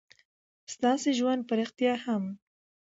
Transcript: ستاسې ژوند په رښتيا هم